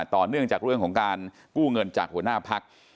ต่อเนื่องจากเรื่องของการกู้เงินจากหัวหน้าพัก